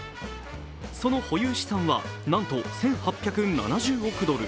その保有資産はなんと１８７０億ドル。